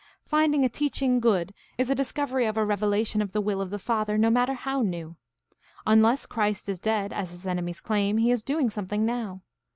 Finding a teaching good is a discovery of a revelation of the will of the Father, no matter how new. Unless Christ is dead, as his enemies claim, he is doing something now.